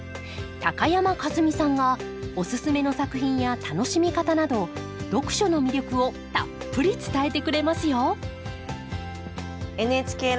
高山一実さんがおススメの作品や楽しみ方など読書の魅力をたっぷり伝えてくれますよ